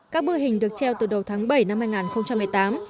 các bưa hình được treo từ đầu tháng bảy năm hai nghìn một mươi tám